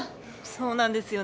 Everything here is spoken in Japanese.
そうなんですよね。